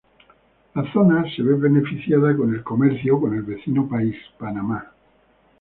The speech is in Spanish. La zona se ve beneficiada con el comercio con el vecino país Panamá.